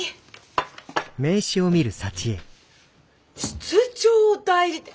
室長代理！